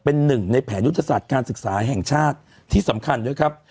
เป็นหนึ่งในแผนยุทธศาสตร์การศึกษาแห่งชาติที่สำคัญด้วยครับ